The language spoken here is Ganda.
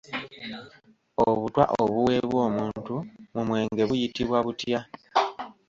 Obutwa obuweebwa omuntu mu mwenge buyitibwa butya?